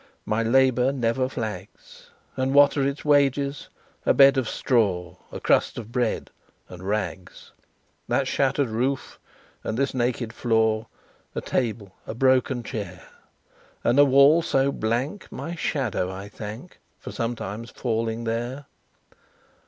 My labor never flags; And what are its wages? A bed of straw, A crust of bread and rags. That shattered roof and this naked floor A table a broken chair And a wall so blank, my shadow I thank For sometimes falling there!